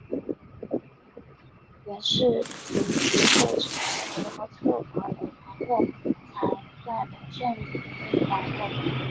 元世祖以后只有得到策宝的皇后才算正宫皇后。